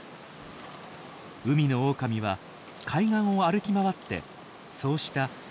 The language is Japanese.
海のオオカミは海岸を歩き回ってそうした貝や魚を食べるといいます。